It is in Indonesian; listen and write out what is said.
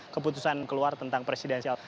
keputusan keluar tentang presidensial